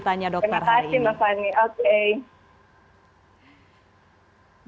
tanya dokter hari ini terima kasih mbak fanny oke